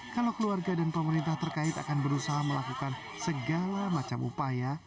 kalau keluarga dan pemerintah terkait akan berusaha melakukan segala macam upaya